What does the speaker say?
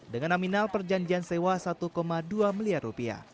dengan nominal perjanjian sewa rp satu dua miliar